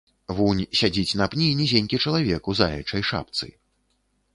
Вунь сядзіць на пні нізенькі чалавек у заячай шапцы.